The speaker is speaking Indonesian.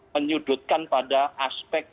menyudutkan pada aspek